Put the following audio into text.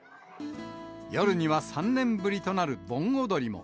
夜には３年ぶりとなる盆踊りも。